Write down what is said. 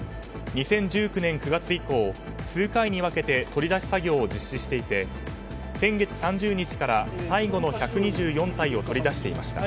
２０１９年９月以降数回に分けて取り出し作業を実施していて先月３０日から、最後の１２４体を取り出していました。